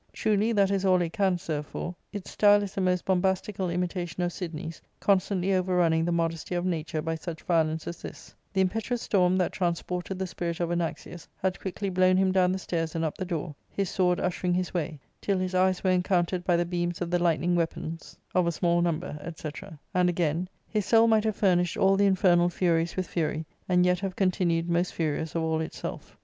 Truly that is all it can serve for. Its style is a most bombastical imitation of Sidney^s, constantly over running the modesty of nature by such violence as this :" The impetuous storm that transported the spirit of Anaxius had quickly blown him down the stairs and up the door, his sword ushering his way, till his eyes were encoun tered by the beams of the lightning weapons of a small Arcadia.— Boo c iil 379 number/* &c. And, again : "His soul might have furnished all the infernal furies with fury^ and yet have continued most furious of all itself.